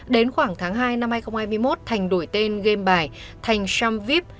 đến khoảng tháng hai năm hai nghìn hai mươi một thành đổi tên game bài thành sumvip